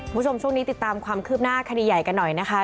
คุณผู้ชมช่วงนี้ติดตามความคืบหน้าคดีใหญ่กันหน่อยนะคะ